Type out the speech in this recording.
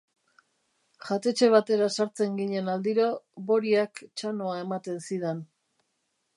Jatetxe batera sartzen ginen aldiro, Boriak txanoa ematen zidan.